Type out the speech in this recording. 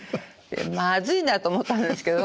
まずいなと思ったんですけど。